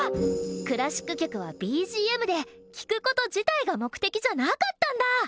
クラシック曲はＢＧＭで聴くこと自体が目的じゃなかったんだ！